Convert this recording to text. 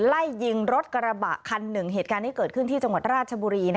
ไล่ยิงรถกระบะคันหนึ่งเหตุการณ์ที่เกิดขึ้นที่จังหวัดราชบุรี